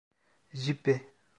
Züppe.